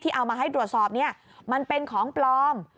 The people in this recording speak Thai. เอามาให้ตรวจสอบเนี่ยมันเป็นของปลอม